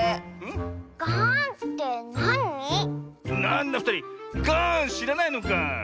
なんだふたりガーンしらないのかあ。